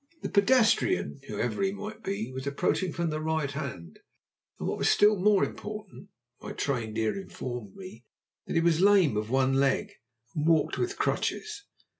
The pedestrian, whoever he might be, was approaching from the right hand, and, what was still more important, my trained ear informed me that he was lame of one leg, and walked with crutches.